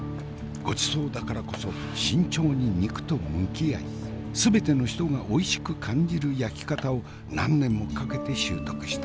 ごちそうだからこそ慎重に肉と向き合い全ての人がおいしく感じる焼き方を何年もかけて習得した。